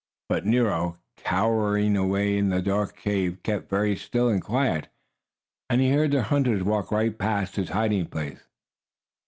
But Nero, cowering away back in the dark cave, kept very still and quiet, and he heard the hunters walk right past his hiding place.